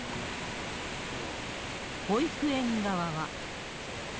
保育園側は。